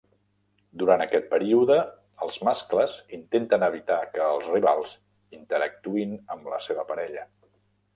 Durant aquest període, els mascles intenten evitar que els rivals interactuïn amb la seva parella.